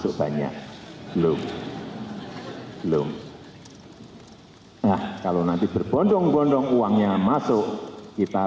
kita akan dari diri sendiri diri indonesia